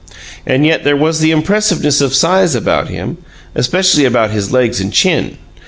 And yet there was the impressiveness of size about him, especially about his legs and chin.